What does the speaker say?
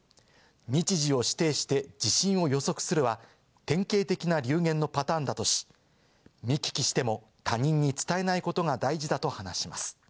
日時を指定して地震を予測するは典型的な流言のパターンだとし、見聞きしても他人に伝えないことが大事だと話します。